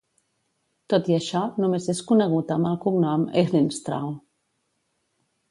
Tot i això, només és conegut amb el cognom Ehrenstrahl.